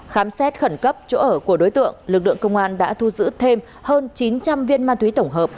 khám xét khẩn cấp chỗ ở của đối tượng lực lượng công an đã thu giữ thêm hơn chín trăm linh viên ma túy tổng hợp